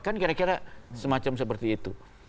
kan kira kira semacam seperti itu